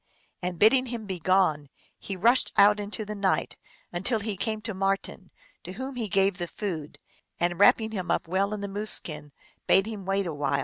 and bidding him begone, he rushed out into the night, until he came to Mar ten, to whom he gave the food, and, wrapping him up well in the moose skin, bade him wait a while.